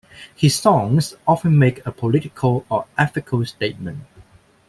His songs often make a political or ethical statement.